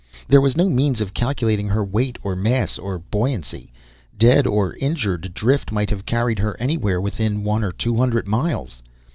There was no means of calculating her weight, or mass, or buoyancy. Dead or injured, drift might have carried her anywhere within one or two hundred miles.